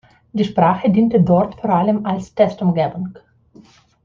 Die Sprache diente dort vor allem als Testumgebung.